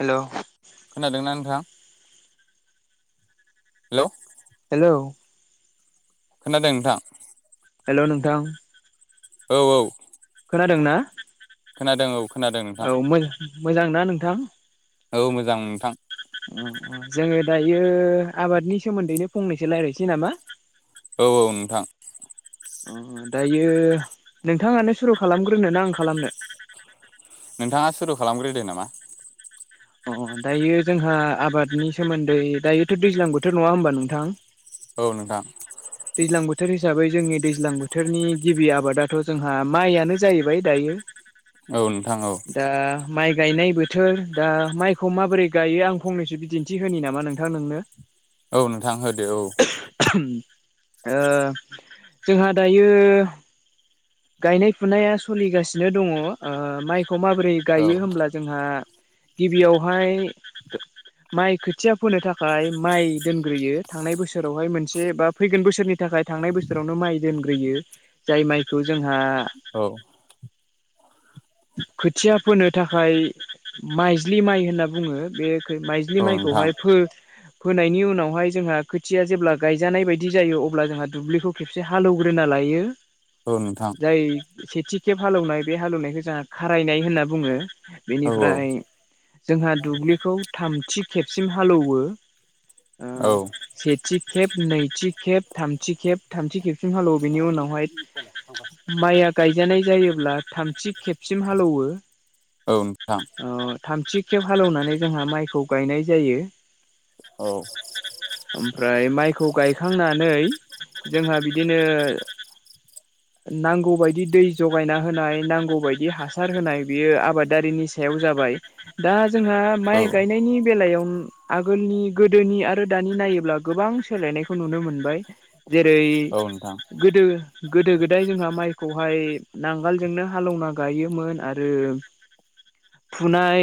हेल'। Hello. Hello. खोनादों नोंथां? Hello नोंथा। औ औ। खोनादों ना? खोनादों औ, खोनादों औ नोंथां। मोजां ना नोंथां? औ, मोजां नोंथां। उम उम, जोङो दायो आबादनि सोमोन्दैनो फंनैसो रायजलायनोसै नामा? औ औ, नोंथां। उम दायो नोंथाङानो सुरु खालामग्रोनो ना आं खालामनो? नोंथाङा सुरु खालामग्रोदो नामा। उम उम दायो जोंहा आबादनि सोमोन्दै दायोथ' दैज्लां बोथोर, नङा होमबा नोंथां? औ, नोंथां। दैज्लां बोथोर हिसाबै जोंनि दैज्लां बोथोरनि गिबि आबादाथ' जोंहा माइयानो जाहैबाय दायो। औ नोंथां औ। दा माइ गायनाय बोथोर दा माइखौ माबोरै गायो आं फंनैसो बिदिन्थि होनि नामा नोंथां नोंनो? औ नोंथां होदो औ। ओ जोंहा दायो गायनाय-फुनाया सलिगासिनो दङ । ओ माइ खौ माबोरै औ गायो होमब्ला जोंहा गिबियावहाय माइ खोथिया फोनो थाखाय माइ दोनग्रोयो थांनाय बोसोरावहाय मोनसे बा फैगोन बोसोरनि थाखा य थांनाय बोसोरावनो माइ दोनग्रोयो । जाय माइखौ जोंहा औ खोथिया फोनो थाखाय माइज्लि माइ होनना बुङो । बे माइजलि औ नोंथां माइखौहाय फो नायनि उनावहाय जोंहा खोथिया जेब्ला गायजानाय बायदि जायो अब्ला जोंहा दुब्लिखौ खेबसे हालौग्रोना ला यो। औ नोंथां जाय सेथि खेब हालौवनाय बे हालेवनायखौ जोंहा खारायनाय होनना बुङो। औ औ बेनिफ्राय जोंहा दुब्लिखौ थामथि खेबसिम हालौवो ओ औ सेथि खेब, नैथि खेब थामथि खेब थामथि खेबसिम हालौवो बेनि उनावहाय माइआ गाय जानाय जायोब्ला थामथि खेबसिम हालौवो। नोंथां ओ थामथि खेब हालेवनानै जोंहा माइखौ गायनाय जायो। औ ओमफ्राय माइखौ गायखांना नै जोंहा बिदिनो नांगौबायदि दै जगायना होनाय, नांगौ बायदि हासार होनाय बेयो आबादारिनि सायाव जाबाय। दा जोंहा माइ गायनायनि बेलायाव आगोलनि गोदोनि आरो दानि नायोब्ला गोबां सोलायनायखौ नुनो मोनबाय। औ नोंथां जेरै-गोदो गोदो गोदा य जोंहा माइखौहाय नांगोलजोंनो हालौवना गायोमोन आरो फुनाय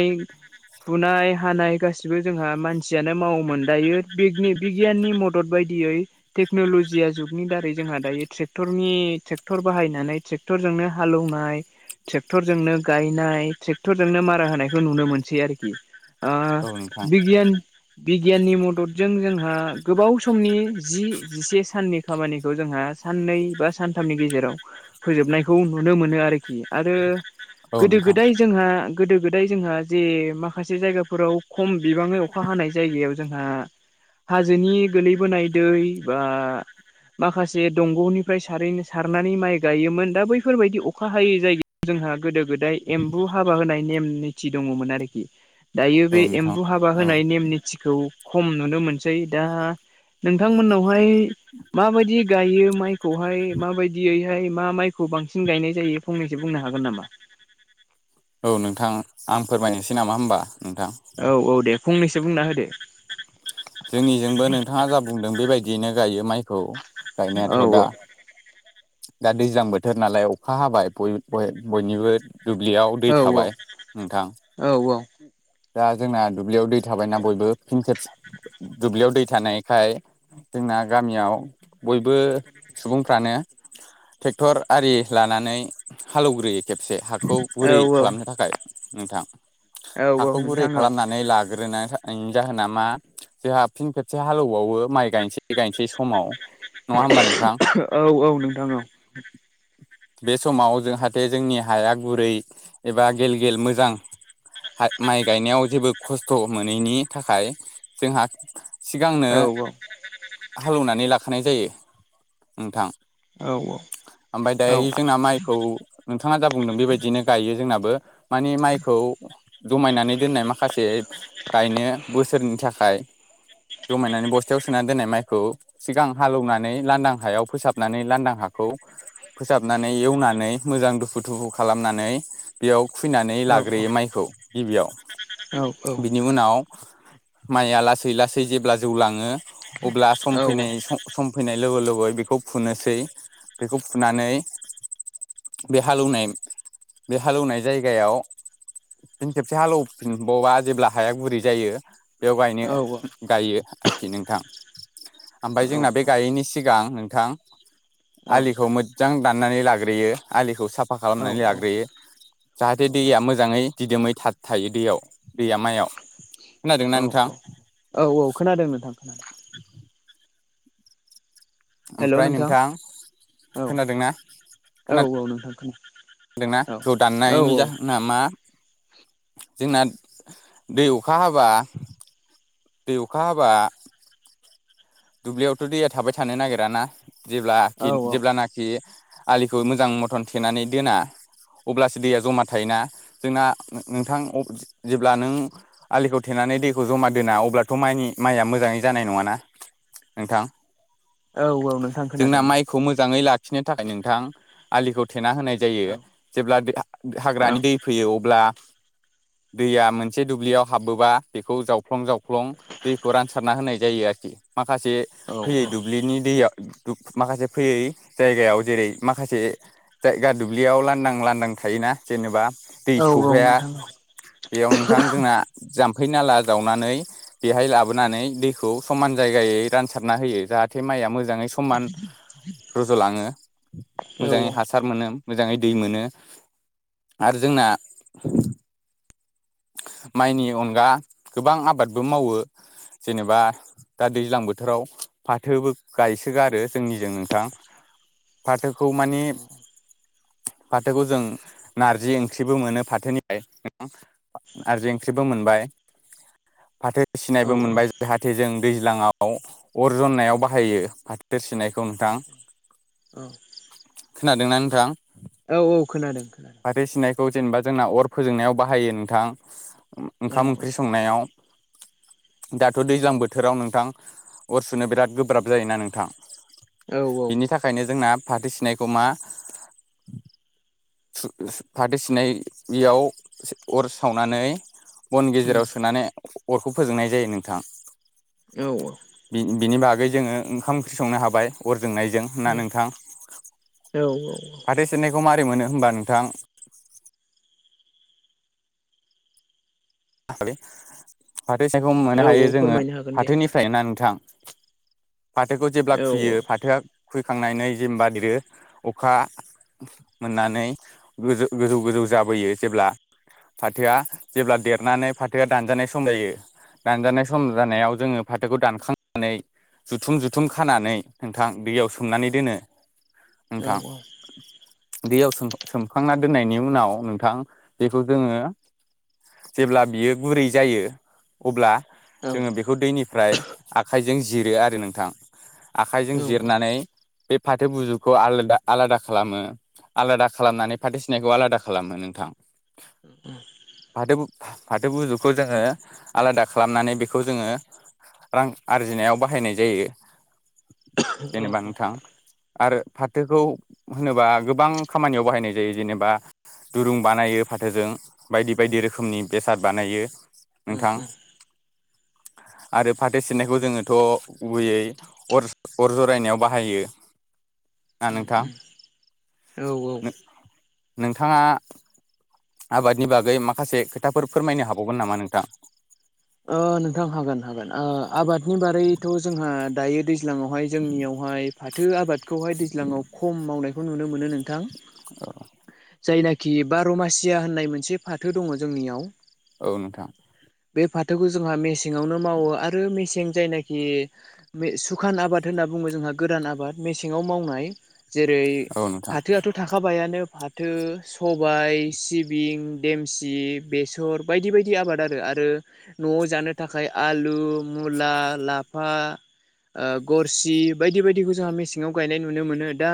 फुनाय, हानाय गासिबो जोंहा मानसियानो मावोमोन दायो बिगनि-बिगियाननि मदद बाय दियै टेकनल'जिया जुगनि दारै जोंहा दायो ट्रेक्टरनि ट्रेक क्टर बाहायनानै ट्रेक्टरजोंनो हालेवनाय ट्रेक्टरजोंनो गायनाय, ट्रेक्टरजोंनो मारा होनायखौ नुनो मोनसै आरोखि। ओ औ नोंथां बिगियान बिगियाननि मददजों जोंहा गोबाव समनि जि-जिसे साननि खामानिखौ जोंहा साननै बा सानथामनि गेजे राव फोजोबनायखौ नुनो मोनो आरोखि आरो औ नोंथां गोदो-गोदाय जोंहा गोदो-गोदाय जोंहा जे माखासे जायगाफोराव खम बिबाङै अखा हानाय जायगायाव जोंहा हाजोनि गोलैबोनाय दै बा माखासे दंग'निफ्राय सारैनो सारनानै माइ गायोमोन । दा बैफोरबायदि अखा हायै जायगायाव जोंहा गोदो-गोदाय एम्बु हाबा होनायनि नेम-निथि दङमोन आरोखि। दायो बे औ नोंथां एम्बु हाबा औ होनाय नेम-निथिखौ खम नुनो मोनसै। दा नों बिथांमोननावहाय माबायदि गायो माइखौहाय माबायदियैहाय मा माइखौ बांसिन गायनाय जायो फंनैसो बुंनो हागोन नामा? औ नोंथां आं फोरमायनोसै नामा होमबा। नोंथां औ औ दे फंनैसो बुंना होदो। जोंनिजोंबो नोंथाङा जा बुंदों बेबायदियैनो गायो माइखौ। औ गायनायाथ' दा दा दैजां बोथोर नालाय अखा हाबाय बयनिबो दुब्लियाव दै औ थाबाय नोंथां। औ दा जोंना दुब्लियाव दै थाबायना बयबो फिन खेब दुब्लियाव दै थानायखाय जोंना गामियाव बयबो सुबुंफ्रानो ट्रेक्टर आरि लानानै हालेवग्रोयो खेबसे हाखौ गुरै औ खालामनो थाखाय नोंथां। औ हाखौ गुरै नोंथां खालामनानै लाग्रोनानै नि जाहोना मा जोंहा फिन खेबसे हालेवबावो माइ गायनोसै गायनोसै समाव। नङा होमबा नोंथां औ औ नोंथां औ बे समाव जाहाथे जोंनि हाया गुरै एबा गेल गेल मोजां माइ गायनायाव जेबो खस्थ' मोनैनि थाखाय जोंहा सिगांनो औ हालेवनानै लाखानाय जायो नोंथां। औ ओमफफ्राय औ दायो जोंना माइखौ नोंथाङा जा बुंदों बेबायदिनो गायो जोंनाबो । मानि माइखौ जमायनानै दोननाय माखासे गायनो बोसोरनि थाखाय। जमायनानै बस्थायाव सोना दोननाय माइखौ सिगां हालौवनानै लांदां हायाव फोसाबनानै लान्दां हाखौ खौ फोसाबनानै एवनानै मोजां दुफु थुफु खालामनानै बेयाव खुैनानै लाग्रोयो माइखौ गिबियाव बिनि उनाव माइआ लासै लासै जेब्ला जौ लाङो अब्ला सम फैनाय सम फैनाय लोगो लै बेखौ फुनोसै बेखौ फुनानै। बे हालौनाय बे हालौवनाय जायगायाव फिन खेबसे हालेवफिनबावा जेब्ला हाया गुरै जायो बेयाव गायनो गायो। आरोखि नोंथां ओमफ्राय जोंना बे गायैनि सिगां नोंथां। आलिखौ मोजां दाननानै लाग्रोयो आलिखौ साफ साफा खालामनानै लाग्रोयो जाहाथे दैया मोजाङै दिदोमै थ थायो दैयाव । दैया मायाव खोनादोंना औ नोंथां? खोनादों नोंथां खोनादों हेल' नोंथां खोनादोंना औ औ खोनादों औ नोंथांखौ होनदोंना ज दाननायनि जाहोना मा जोंना दै अखा हाबा बे अखा हाबा दुब्लियावथ' दैया थाबाय थानो नागिराना जेब्ला औ जेब्लानाखि आलिखौ मोजां मथन थेनानै दोना अब्लासो दैया जमा थायोना जोंना नोंथां जेब्ला नों आलिखौ थेनानै नानै दैखौ जमा दोना अब्लाथ' म माइया मोजाङै जानाय नङा ना नोंथां। औ औ नोंथां जोंना खोनादों औ औ माइखौ मोजाङै लाखिनो थाखाय नोंथां आलिखौ सेना होनाय जायो औ जेब्ला हाग्रानि दै फैयो अब्ला दैया मोनसे दुब्लियाव हाबोबा बेखौ जावफ्लं जावफ्ल फ्लं दैखौ रानसारना होनाय जायो आरोखि माखासे औ फैयै दुब्लिनि दैयाव। माखासे फैयै जायगायाव जेरै माखासे जायगा दुब्लियाव लांदां लांदां थायोना जेनेबा दै औ सौहैाया नोंथां बेयाव नोंथां जोंना जाम्फै नाला जावनानै बेहाय लाबोनानै दैखौ समान जायगायै रानसारना होयो जाहाथे माइया मोजाङै समान। रज'लाङो औ मोजाङै हासार मोनो मोजाङै दै मोनो। आरो जोंना। माइनि अनगा गोबां आबादबो मावो जेनेबा दा दैज्लां बोथोराव फाथोबो गायसोगारो जोंनिजों नोंथां फाथो खौ माने फाथोखौ जों नारजि ओंख्रिबो मोनो फाथोनिफ्राय नोंथां नारजि ओंख्रिबो मोनबाय फाथो सिनायबो मोनबाय जाहाथे जों दैज्लांङाव अरजन्नायाव बाहायो फा दोसोनायखौ नोंथां औ औ खोनादोंना नोंथां? औ-औ खोनादों-खोनादों। खौ जेनेबा जोंना अर फोजोंनायाव बाहायो नोंथां उम औ ओंखाम-ओंख्रि संनायाव [unintelligible] दाथ' दैज्लां बोथोराव नोंथां अर सुनो बिराद गोब्राब जायोना नोंथां। औ औ बिनि थाखायनो जोंना फाथै सिनायखौ मा सु-सु फाथो सिनाय याव अर सावनानै बन उम गेजेराव सोनानै अरखौ फोजोंनाय जायो नोंथां। औ-औ बिनि बागै जोङो ओंखाम ओंख्रि संनो हाबाय अर जोंनायजों ना नोंथां औ फाथै सेरनायखौ माबोरै मोनो होमबा नोंथां फाथो सायखौ मोननो औ हायो औ जोङो फोरमायनो हागोन दे फाथोनिफ्राय ना नोंथां । फाथोखौ जेब्ला औ खुयो फाथोआ खुयैखांनानै जेनबा देरो अखा मोननानै गोजो-गोजौ-गोजौ जाबोयो जेब्ला फाथोआ जेब्ला देरनानै फाथोआ दानजानाय सम जायो। दानजानाय सम जानायाव जोङो फाथोखौ दानखांनानै जुथुम-जुथुम खानानै नोंथां दैयाव सोमनानै दोनो औ नोंथां दैयाव सोमखां-सोमखांना दोननायनि उनाव नोंथां बेखौ जोङो जेब्ला बियो गुरै जायो अब्ला औ जोङो बेखौ दैनिफ्राय आखाइ जों जिरो आरो नोंथां आखाइजों उम उम जिरनानै बे फाथो बुजुखौ आलादा-आलादा खालामो आलादा खालामनानै फाथो सिनायखौ आलादा खालामो नोंथां। फाथो [unintelligible] फाथो बुजुखौ जोङो आलादा खालामनानै बेखौ जोङो रां आरजिनायाव बाहायनाय जायो जेनेबा नोंथां आरो फाथोखौ होनोबा गोबां खामानियाव बाहायनाय जायो जेनेबा दुरुं बानायो फाथोजों बायदि बायदि रोखोमनि बेसाद बानायो नोंथां [inaudible] आरो फाथो सिनायखौ जोङोथ' गुबैयै अर- अर जरायनायाव बाहायो ना नोंथां उम-उम औ-औ नोंथाङा आबादनि बागै माखासे खो खोथाफोर फोरमायनो हाबावगोन नामा नोंथां? ओ नोंथां हागोन-हागोन ओ आबादनि बारैथ' जोंहा दायो दै ज्लाङावहाय जोंनियावहाय फाथो आबादखौहाय दैज्लाङाव खम मावनायखौ नुनो मोनो नोंथां। औ जायनाखि बार'मासिया होननाय मोनसे फाथो दङ जोंनियाव औ नोंथां बे फाथोखौ जोंहा मेसेङावनो मावो आरो मेसें जायनाखि मे-सुखान आबाद होननानै बुङो जोंहा गोदान आबाद मेसेङाव मावनाय जेरै औ नोंथां फाथोआथ' थाखाबायानो फाथो सबाय सिबिं देमसि बेसर बायदि-बायदि आबादआरो आरो नआव जानो थाखाय आलु, मुला, लाफा ओ गरसि बायदि बायदिखौ जोंहा मेसेंङाव गायनाय नुनो मोनो दा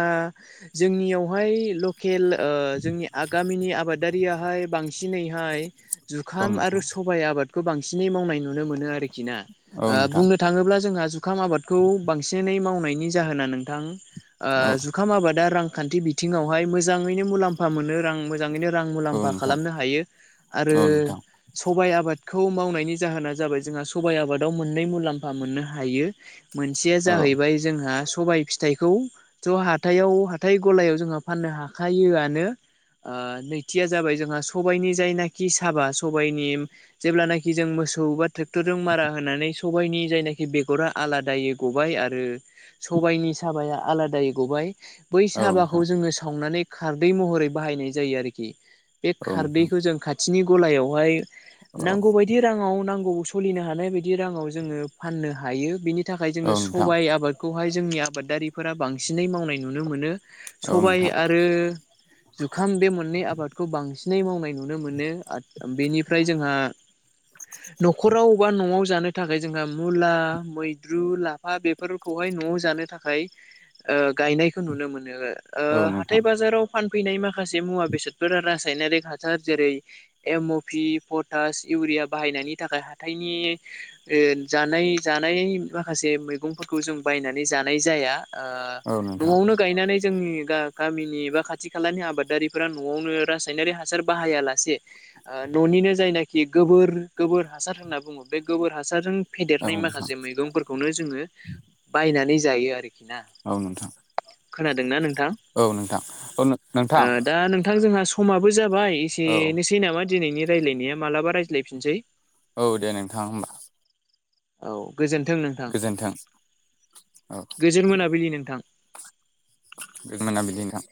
जोंनियावहाय लकेल ओ जोंनि आ गामिनि आबादारियाहाय बांसिनैहाय औ जुखाम आरो नोंथां सबाइ आबादखौ बांसिनै मावनाय नुनो मोनो आरो औ ओ नोंथां बुंनो थांङोब्ला जोंहा जुखाम आबादखौ बांसिनै माव जाहोना नोंथां औ ओ जुखाम आबादा रांखान्थि बिथिंङावहाइ मोजां [unintelligible] मुलामफा मोनो रां मोजांङैनो रां औ मुलाम्फा नोंथां खालामनो हायो आरो औ नोंथां सबाया आबादखौ मावनायनि जाहोना जाबाय जोंहा सबाइ आबादाव मोननै मुलाम्फा मोननो हायो मोनसेया औ जाहैबाय जोंहा स सबायाइ फिथाइखौ ज हाथायाव हाथाय गलायाव जोंहा फाननो हाखायोआनो ओ नैथिया जाबाय जोंहा सबायाइनि जायनाखि साबा सबाइनि जेब्लानाखि जों सौ बा ट्रेक्टरजों मारा होनानै सबायनि जायनाखि बेगरा आलादै गबाय आरो सबायनि साबाया आलादायै गबाय बै साबाखौ नोंथां जोङो सावनानै खारदै महरै बाहायनाय जायो आरोखि बे औ नोंथां खारदैखौ जों खाथिनि गलायावहाय औ नांगौ बायदि राङाव नांगौ सोलिनो हानाय बायदि राङाव जोङो फाननो हायो बिनि नि थाखाय औ जोङो नोंथां सबाय आबादखौहाय जोंनि आबादारिफोरा बांसिनै मावनाय नुनो मोनो औ सबाय नोंथां आरो जुखाम बे मोननै आबादखौ बांसिन नै मावनाय नुनो मोनो बेनिफ्राय जोंहा नखरावबा नआव जानो थाखाय जोंहा मुला मैद्रु लाफा बेफोरखौहाय नआव जानो थाखाय गायनायखौ नुनो मोनो औ नोंथां फोराव फानफैनाय माखासे मुवा बेसादफोरा रासायनारिक हासार जेरै M O P potash urea बाहायनायनि थाखाय हाथाइनि ओ जानाय जानाय माखासे मैगं जों बायनानै जानाय जाया ओ औ नोंथां नआवनो गायनानै जोंनि गा गामिनि बा खाथि खालानि आबादारिफोरा नआवनो रासायनारि हासार बाहायालासे ओ ननि दिनो जायनाखि गोबोर गोबोर हासार होनना बुंङो बे गोबोर हासारजों औ फेदेरनाय नोंथां माखासे मैगंफोरखौनो जोङो बायनानै जायो आरो ना औ नोंथां खोनादोंना नोंथां औ नोंथां औ ओ नोंथां दा नोंथां जोंहा सम समाबो जाबाय औ एसेनोसै नामा दिनैनि रायज्लायनाया मालाबा रायज्लायफिननोसै औ दे नोंथां होमबा औ गोजोन्थों नोंथां गोजोन्थों औ गोजोन मोनाबिलि नोंथां गो [unintelligible] मोनाबिलि नोंथां